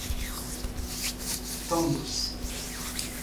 Tombos